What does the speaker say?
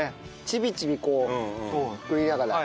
ちびちびこう食いながら。